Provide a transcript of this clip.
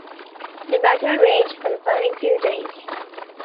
The battle raged for the following few days.